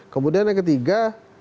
kemudian yang ketiga